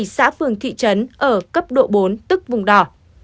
xã phường thị trấn ở cấp độ bốn tức vùng đỏ